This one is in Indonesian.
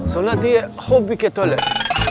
seolah dia hobi ke toilet